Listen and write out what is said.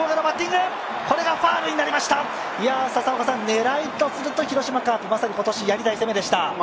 狙いとすると、広島カープ、まさに今年やりたい攻めでした。